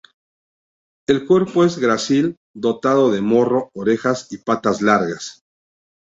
El cuerpo es grácil, dotado de morro, orejas y patas largas.